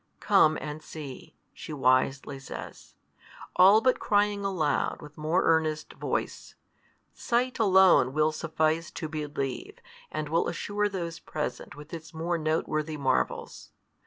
Come and see, she wisely says; all but crying aloud with more earnest voice, Sight alone |223 will suffice to belief, and will assure those present with its more note worthy marvels.